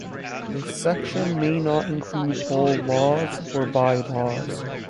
This section may not include all laws or bylaws.